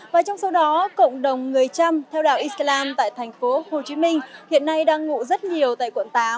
và trong số đó cộng đồng người chăm theo đạo islam tại thành phố hồ chí minh hiện nay đang ngụ rất nhiều tại quận tám